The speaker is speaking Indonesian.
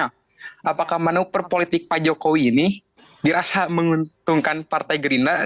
apakah manuver politik pak jokowi ini dirasa menguntungkan partai gerindra